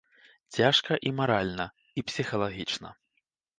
Цяжка і маральна, і псіхалагічна.